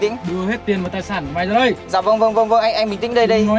tĩnh đưa hết tiền và tài sản của mày ra đây dạ vâng vâng vâng vâng anh anh bình tĩnh đây đây nói